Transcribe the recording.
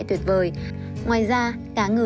tuyệt vời ngoài ra cá ngừ